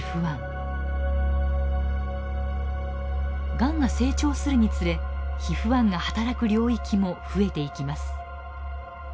がんが成長するにつれＨＩＦ−１が働く領域も増えていきます。